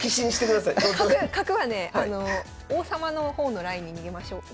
角はね王様の方のラインに逃げましょう。